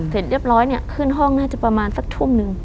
เสร็จเรียบร้อยเนี่ยขึ้นห้องน่าจะประมาณสักทุ่มหนึ่ง